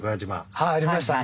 はいありましたね。